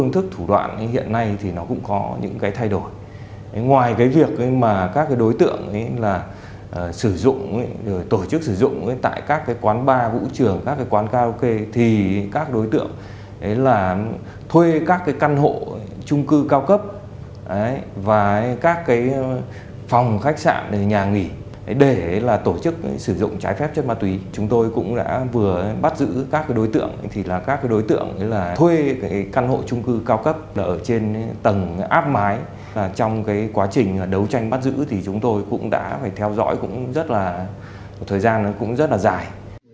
thuê căn hộ trung cư cao cấp ở trên tầng áp mái trong quá trình đấu tranh bắt giữ thì chúng tôi cũng đã theo dõi một thời gian rất dài